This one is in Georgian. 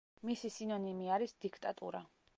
მისი სინონიმი არის დიქტატურა.